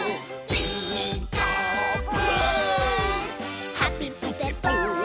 「ピーカーブ！」